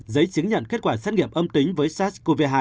giấy chứng nhận kết quả xét nghiệm âm tính với sars cov hai